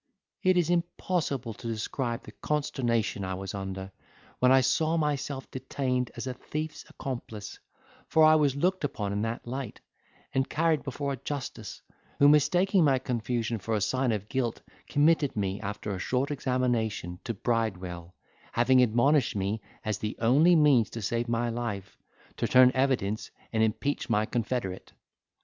'It is impossible to describe the consternation I was under, when I saw myself detained as a thief's accomplice; for I was looked upon in that light, and carried before a justice, who mistaking my confusion for a sign of guilt committed me, after a short examination, to Bridewell, having admonished me, as the only means to save my life, to turn evidence, and impeach my confederate.